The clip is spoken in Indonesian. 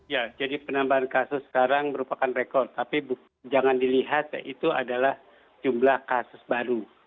ya jadi penambahan kasus sekarang merupakan rekor tapi jangan dilihat itu adalah jumlah kasus baru